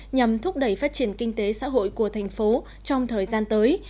nhằm thúc đẩy phát triển kinh tế xã hội của thành phố trong thời gian tới